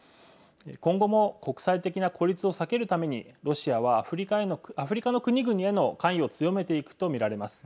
今後も国際的な孤立を避けるためにロシアはアフリカの国々への関与を強めていくと見られます。